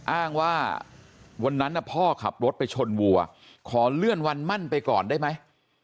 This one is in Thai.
อ้างว่าวันนั้นพ่อขับรถไปชนวัวขอเลื่อนวันมั่นไปก่อนได้ไหม